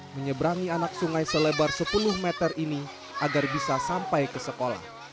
menyeberangi anak sungai selebar sepuluh meter ini agar bisa sampai ke sekolah